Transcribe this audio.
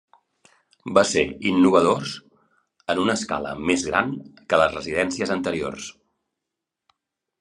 Va ser innovadors en una escala més gran que les residències anteriors.